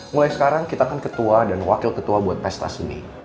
mulai sekarang kita kan ketua dan wakil ketua buat pesta seni